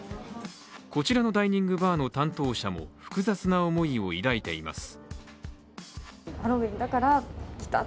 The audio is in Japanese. こちらのダイニングバーの担当者も複雑な思いを抱いています。